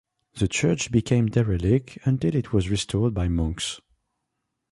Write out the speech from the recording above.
The Church became derelict until it was restored by monks.